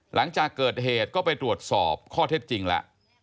หลังจากเกิดเหตุก็ไปตรวจสอบข้อเท็จจริงแล้ว